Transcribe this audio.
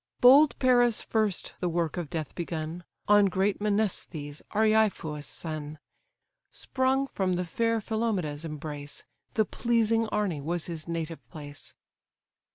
Bold Paris first the work of death begun On great Menestheus, Areithous' son, Sprung from the fair Philomeda's embrace, The pleasing Arnè was his native place.